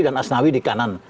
dan asnawi di kanan